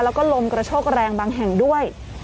แล้วก็ลมกระโชกแรงบางแห่งด้วย